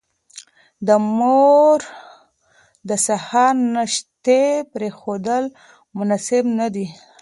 د مور د سهار ناشتې پرېښودل مناسب نه دي.